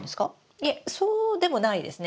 いえそうでもないですね。